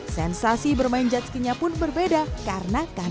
sensasi bermain jet ski nya pun berbeda karena kanak kanak